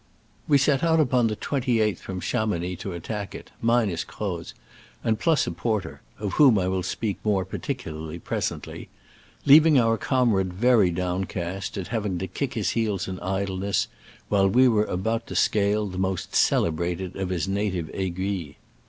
We set out upon the 28th from Chamou nix 40 attack it, minus Croz, and plus ON THE MER DB GLACB. a porter (of whom I will speak more particularly presently), leaving our com rade very downcast at having to kick his heels in idleness, whilst we were about to scale the most celebrated of his native aiguilles.